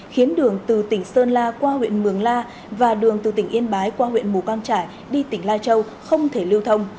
khiến đường từ tỉnh sơn la qua huyện mường la và đường từ tỉnh yên bái qua huyện mù căng trải đi tỉnh lai châu không thể lưu thông